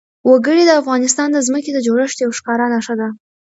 وګړي د افغانستان د ځمکې د جوړښت یوه ښکاره نښه ده.